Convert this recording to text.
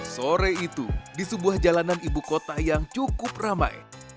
sore itu di sebuah jalanan ibu kota yang cukup ramai